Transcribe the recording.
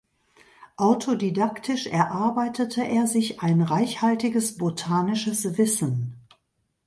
Autodidaktisch erarbeitete er sich ein reichhaltiges botanisches Wissen.